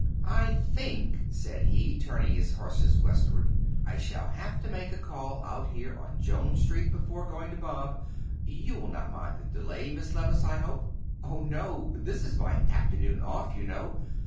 "I think," said he, turning his horses westward, "I shall have to make a call out here on Jones Street before going to Bob. You will not mind the delay, Miss Levice, I hope." "Oh, no. This is 'my afternoon off,' you know.